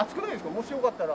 もしよかったら。